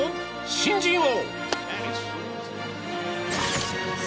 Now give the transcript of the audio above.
新人王！